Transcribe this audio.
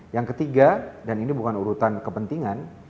yang ketiga dan ini bukan urutan kepentingan